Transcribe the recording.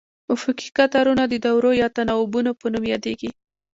افقي قطارونه د دورو یا تناوبونو په نوم یادیږي.